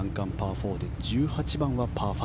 ４で１８番はパー５。